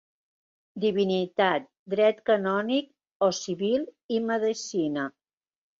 Divinitat, Dret canònic o civil i Medicina.